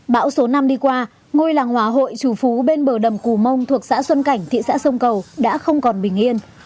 bão số năm đi qua ngôi làng hòa hội trù phú bên bờ đầm cù mông thuộc xã xuân cảnh thị xã sông cầu đã không còn bình yên